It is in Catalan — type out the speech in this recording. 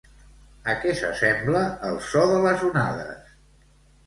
A què s'assembla el so de les onades?